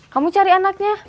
kamu cari anaknya